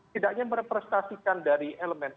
tidaknya merepresentasikan dari elemen